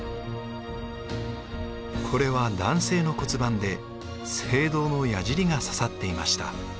これは男性の骨盤で青銅のやじりが刺さっていました。